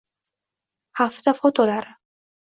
Hafta fotolari